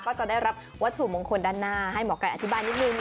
ก็จะได้รับวัตถุมงคลด้านหน้าให้หมอไก่อธิบายนิดนึง